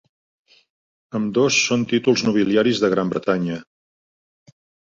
Ambdós són títols nobiliaris de Gran Bretanya.